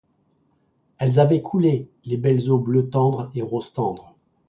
Elles avaient coulé, les belles eaux bleu tendre et rose tendre!